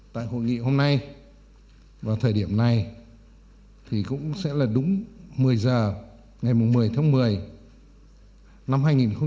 tại hội nghị hôm nay vào thời điểm này thì cũng sẽ là đúng một mươi h ngày một mươi tháng một mươi năm hai nghìn hai mươi